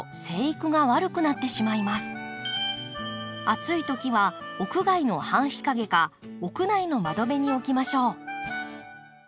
暑い時は屋外の半日陰か屋内の窓辺に置きましょう。